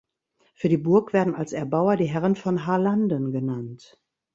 Für die Burg werden als Erbauer die Herren von Harlanden genannt.